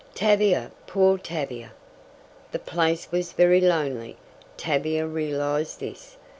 Tavia poor Tavia! The place was very lonely. Tavia realized this.